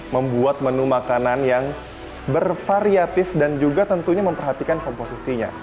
membuat menu makanan yang bervariatif dan juga tentunya memperhatikan komposisinya